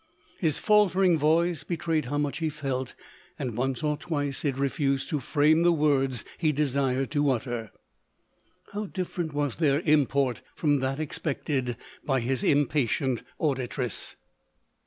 His faltering voice betrayed how much he felt, and once or twice it refused to frame the words he desired to utter: how different was their import from that expected by his impatient auditress